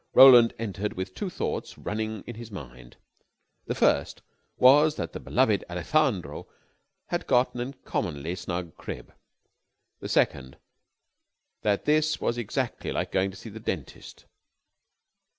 Roland entered with two thoughts running in his mind. The first was that the beloved Alejandro had got an uncommonly snug crib; the second that this was exactly like going to see the dentist.